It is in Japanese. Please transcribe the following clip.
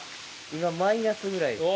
今マイナスぐらいです。